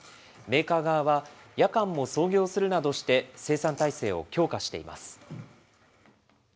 メーカー側は夜間も操業するなどして、生産態勢を強化しています。